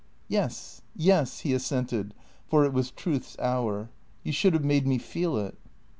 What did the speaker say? "Yes, yes." He assented, for it was truth's hour. "You should have made me feel it."